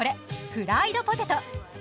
フライドポテト。